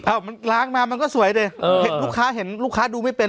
มันล้างมามันก็สวยดิเห็นลูกค้าเห็นลูกค้าดูไม่เป็น